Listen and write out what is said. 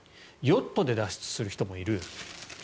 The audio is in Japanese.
ヨットで脱出する人もいる。